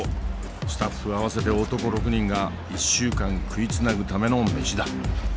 スタッフ合わせて男６人が１週間食いつなぐための飯だ。